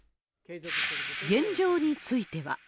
現状については。